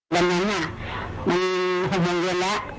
วันนั้นมัน๖โมงเย็นแล้ว